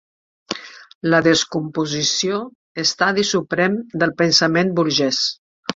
La descomposició, estadi suprem del pensament burgès.